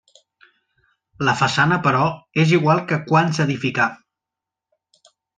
La façana, però, és igual que quan s'edificà.